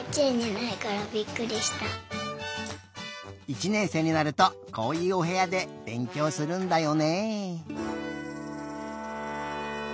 １年生になるとこういうおへやでべんきょうするんだよね。